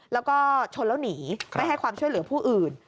แล้วก็ชนแล้วหนีไม่ให้ความช่วยเหลือผู้อื่น